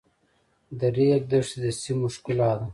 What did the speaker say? د ریګ دښتې د سیمو ښکلا ده.